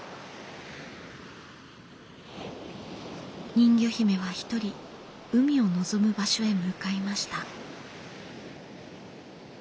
人魚姫はひとり海を望む場所へ向かいました。